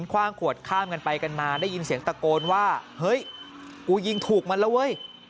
คว่างขวดข้ามกันไปกันมาได้ยินเสียงตะโกนว่าเฮ้ยกูยิงถูกมันแล้วเว้ย